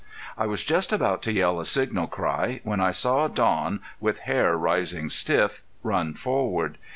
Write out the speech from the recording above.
I was just about to yell a signal cry when I saw Don, with hair rising stiff, run forward.